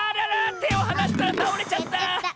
てをはなしたらたおれちゃった！